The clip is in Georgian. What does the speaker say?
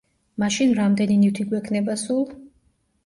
მაშინ რამდენი ნივთი გვექნება სულ?